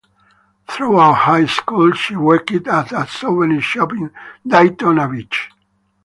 Throughout high school, she worked at a souvenir shop in Daytona Beach.